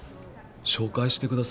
紹介してください。